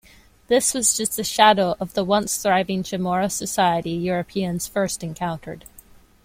This was just a shadow of the once-thriving Chamorro society Europeans first encountered.